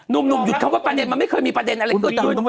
นุ่มหยุดคำว่าประเด็นมันไม่เคยมีประเด็นอะไร